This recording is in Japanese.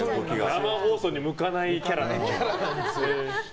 生放送に向かないキャラ。